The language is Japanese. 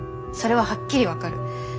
それははっきり分かる。